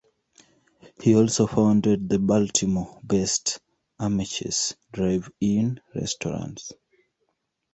He also founded the Baltimore-based Ameche's Drive-in restaurants.